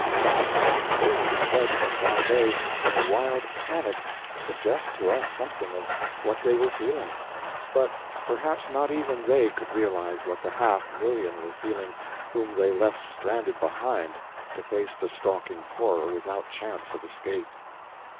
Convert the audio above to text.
That half million fled from Bombay in a wild panic suggests to us something of what they were feeling, but perhaps not even they could realize what the half million were feeling whom they left stranded behind to face the stalking horror without chance of escape.